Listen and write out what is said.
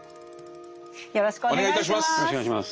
よろしくお願いします。